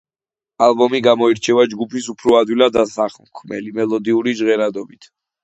ალბომი გამოირჩევა ჯგუფის უფრო ადვილად აღსაქმელი, მელოდიური ჟღერადობით.